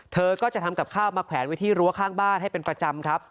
เธอก็จะทำกับข้าวมาแขวนไว้ที่รั้วข้างบ้านให้เป็นประจำครับ